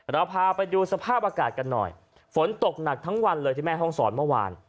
เราพาไปดูสภาพอากาศกันหน่อยฝนตกหนักทั้งวันเลยที่แม่ห้องศรเมื่อวาน